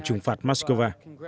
trừng phạt moscow